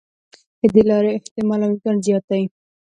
د دې لارې احتمال او امکان زیات دی.